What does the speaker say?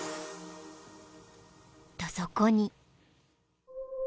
［とそこに］